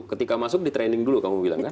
ketika masuk di training dulu kamu bilang kan